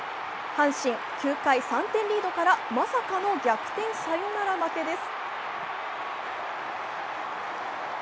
阪神、９回３点リードからまさかの逆転サヨナラ負けです。